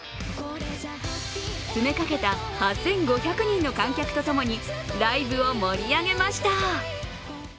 詰めかけた８５００人の観客と共にライブを盛り上げました。